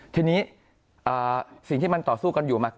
ทีนี้สิ่งที่มันต่อสู้กันอยู่มา